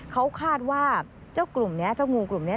เค้าคาดว่าเจ้ากลุ่มนี้